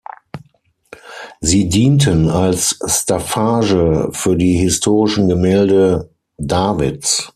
Sie dienten als Staffage für die historischen Gemälde Davids.